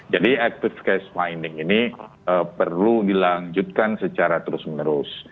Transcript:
jadi active case finding ini perlu dilanjutkan secara terus menerus